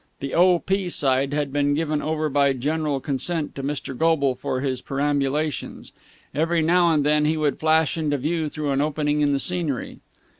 The O.P. side had been given over by general consent to Mr. Goble for his perambulations. Every now and then he would flash into view through an opening in the scenery.